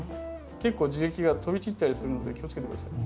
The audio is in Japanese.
結構樹液が飛び散ったりするので気をつけて下さいね。